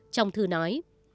trong thư nói